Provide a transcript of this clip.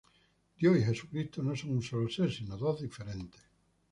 Dios y Jesucristo no son un solo ser, sino dos diferentes.